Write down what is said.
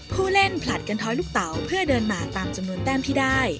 ผู้เล่นผลัดกันท้อยลูกเต๋าเพื่อเดินมาตามจำนวนแต้มที่ได้